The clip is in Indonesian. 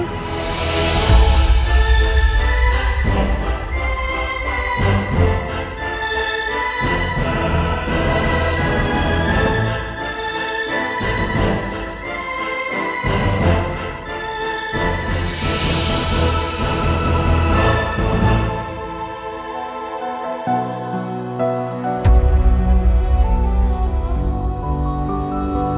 gak ada apa apa